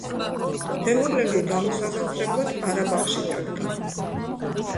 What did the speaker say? თემურლენგი გამოსაზამთრებლად ყარაბაღში დადგა.